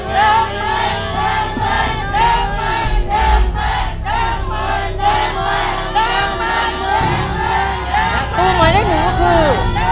หลังตู้หมายเลข๑ก็คือ